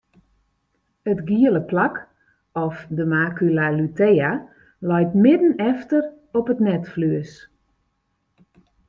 It giele plak of de macula lutea leit midden efter op it netflues.